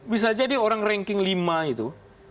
bisa jadi orang ranking lima itu